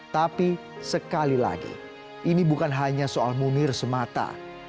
tapi sekali lagi ini bukan hanya soal munir semata